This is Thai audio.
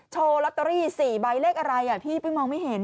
โชว์ลัตเตอรี่สี่ใบเลขอะไรอ่ะพี่เพิ่งมองไม่เห็น